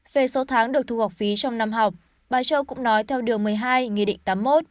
về số tháng được thu học phí trong năm học bà châu cũng nói theo điều một mươi hai nghị định tám mươi một